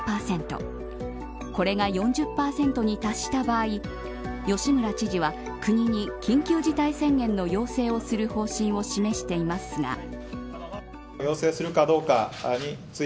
これが４０％に達した場合吉村知事は国に緊急事態宣言の要請をする方針を示していますが。